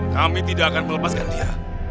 kami tidak akan melepaskan dia